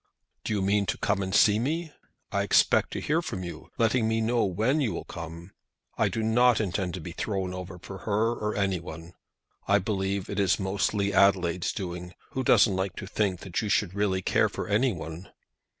Do you mean to come and see me? I expect to hear from you, letting me know when you will come. I do not intend to be thrown over for her or anyone. I believe it is mostly Adelaide's doing, who doesn't like to think that you should really care for anyone.